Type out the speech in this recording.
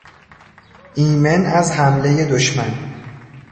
ایمن از حملهی دشمن